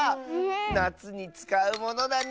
なつにつかうものだね。